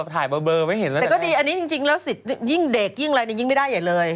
แต่ก็ดีอันนี้จริงแล้วสิทธิ์ยิ่งเด็กยิ่งอะไรยิ่งไม่ได้อย่างนี้เลย